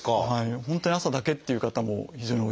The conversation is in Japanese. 本当に朝だけっていう方も非常に多いです。